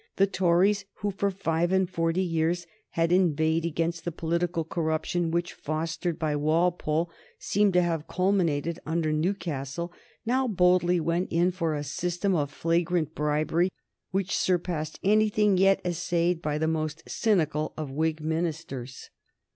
The Tories, who for five and forty years had inveighed against the political corruption which, fostered by Walpole, seemed to have culminated under Newcastle, now boldly went in for a system of flagrant bribery which surpassed anything yet essayed by the most cynical of Whig ministers.